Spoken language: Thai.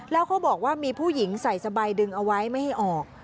แล้วเขาบอกว่ามีผู้หญิงใส่สบายดึงเอาไว้ไม่ให้ออก